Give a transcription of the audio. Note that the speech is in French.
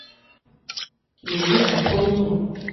Les yeux sont proéminents.